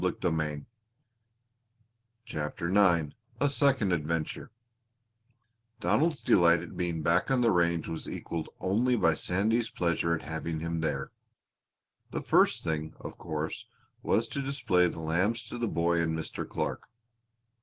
CHAPTER IX A SECOND ADVENTURE Donald's delight at being back on the range was equaled only by Sandy's pleasure at having him there. The first thing, of course, was to display the lambs to the boy and Mr. Clark.